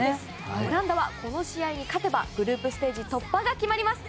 オランダはこの試合に勝てばグループステージ突破が決まります。